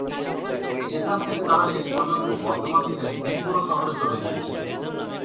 সেখান থেকে তারা শেষ পর্যন্ত বর্তমান দিনের এনকোরো শহরে চলে গিয়েছিল।